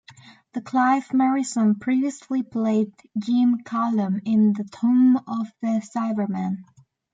Clive Merrison previously played Jim Callum in "The Tomb of the Cybermen".